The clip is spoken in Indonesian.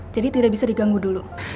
jadi tidak bisa diganggu dulu